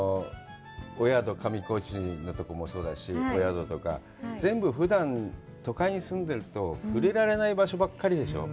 上高地のところもそうだし、お宿とか、全部ふだん都会に住んでると触れられない場所ばっかりでしょう？